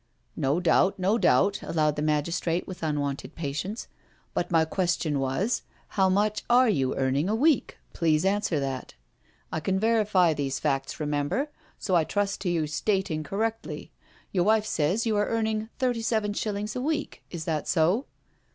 " No doubt, no doubt," allowed the magistrate with unwonted patience, *' but my question was, how much are you earning a week? Please answer that. I can verify these facts remember, so I trust to your stating cor rectly. Your wife says you are earning thirty seven shillings a week, is this so?'